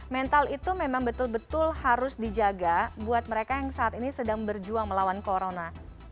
mental itu memang betul betul harus dijaga buat mereka yang saat ini sedang berjuang melawan corona